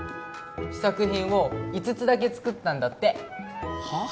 試作品を５つだけ作ったんだってはあ？